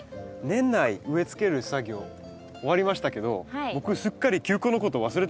年内植えつける作業終わりましたけど僕すっかり球根のことを忘れてしまいました。